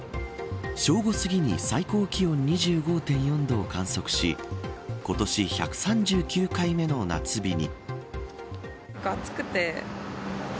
正午過ぎに最高気温２５．４度を観測し今年１３９回目の夏日に。